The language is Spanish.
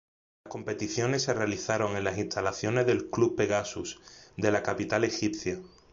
Las competiciones se realizaron en las instalaciones del Club Pegasus de la capital egipcia.